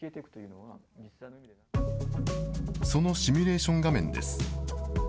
そのシミュレーション画面です。